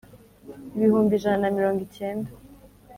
ibihumbi ijana na mirongo cyenda